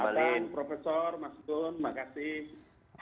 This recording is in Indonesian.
selamat siang profesor mas gun terima kasih